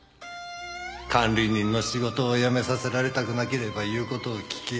「管理人の仕事を辞めさせられたくなければ言う事を聞け。